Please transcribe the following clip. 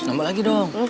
nambah lagi dong